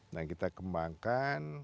nah kita kembangkan